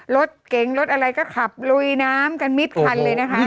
รถเก๋งรถอะไรก็ขับลุยน้ำกันมิดคันเลยนะคะ